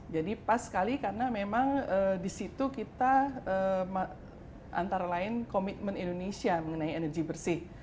jadi pas sekali karena memang disitu kita antara lain komitmen indonesia mengenai energi bersih